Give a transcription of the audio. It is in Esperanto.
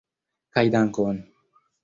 Kaj dankon!